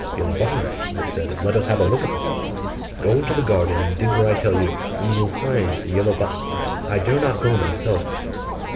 'Yellow buttons!' said they: 'let us have a look at them.' 'Go into the garden and dig where I tell you, and you will find the yellow buttons: I dare not go myself.